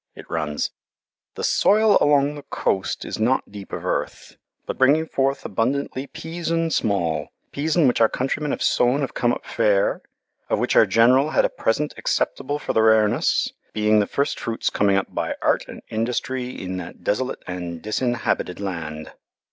It runs: "The soyle along the coast is not deep of earth, but bringing forth abundantly peason small, peason which our countrymen have sowen have come up faire, of which our Generall had a present acceptable for the rarenesse, being the first fruits coming up by art and industrie in that desolate and dishabited land."